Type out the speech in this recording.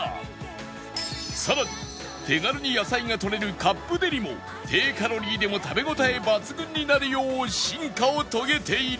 さらに手軽に野菜がとれるカップデリも低カロリーでも食べ応え抜群になるよう進化を遂げている